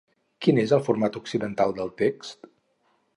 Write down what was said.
Quin és el format occidental del text?